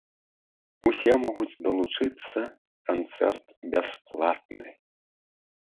Усе могуць далучыцца, канцэрт бясплатны!